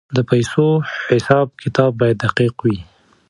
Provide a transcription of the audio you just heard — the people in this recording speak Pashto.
د پیسو حساب کتاب باید دقیق وي.